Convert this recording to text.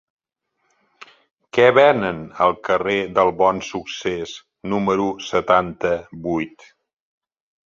Què venen al carrer del Bonsuccés número setanta-vuit?